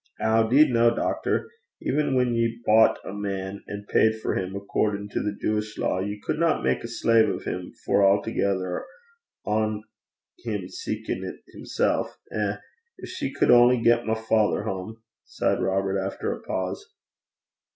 'Ow, 'deed no, doctor. Even whan ye boucht a man an' paid for him, accordin' to the Jewish law, ye cudna mak a slave o' 'im for a'thegither, ohn him seekin' 't himsel'. Eh! gin she could only get my father hame!' sighed Robert, after a pause.